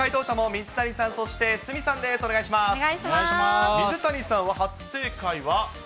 水谷さんは初正解は。